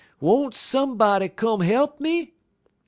Won't somebody come he'p me?'"